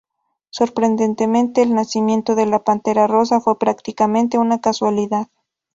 Sorprendentemente, el nacimiento de la pantera rosa fue prácticamente una casualidad.